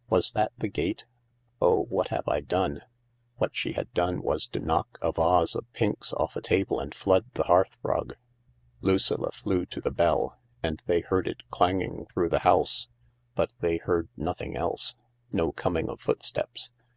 " Was that the gate ? Oh, what have I done ?" What she had done was to knock a vase of pinks off a table and flood the hearthrug. Lucilla flew to the bell, and THE LARK 191 they heard it clanging through the house. But they heard nothing else. No coming of footsteps.